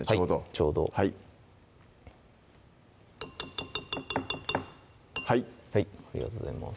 ちょうどはいはいはいありがとうございます